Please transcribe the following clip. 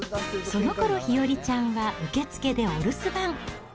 そのころ、日和ちゃんは受け付けでお留守番。